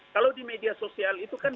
kalau di media sosial itu kan